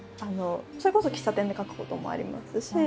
それこそ喫茶店で書くこともありますし